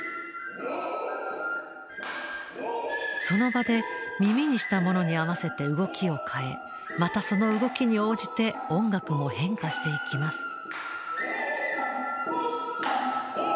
その場で耳にしたものに合わせて動きを変えまたその動きに応じて音楽も変化していきます。